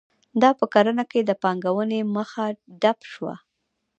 دا په کرنه کې د پانګونې مخه ډپ شوه.